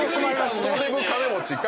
クソデブ金持ちか。